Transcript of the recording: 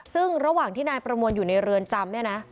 ซึ่งระหว่างที่นายประมวลอยู่ในเรือนจำเนี่ยนะ